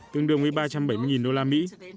tương đương với ba trăm bảy mươi usd